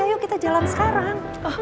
ayo kita jalan sekarang